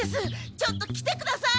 ちょっと来てください！